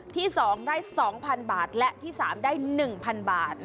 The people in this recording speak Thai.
ที่๒ได้๒๐๐๐บาทและที่๓ได้๑๐๐บาท